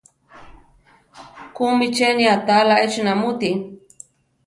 ¿Kúmi cheni aʼtalá échi namúti?